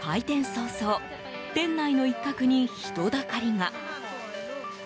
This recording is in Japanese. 早々店内の一角に人だかりが。